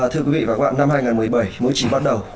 thưa quý vị và các bạn năm hai nghìn một mươi bảy mới chỉ bắt đầu